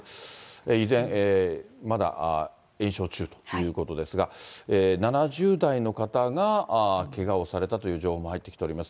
依然、まだ延焼中ということですが、７０代の方がけがをされたという情報も入ってきております。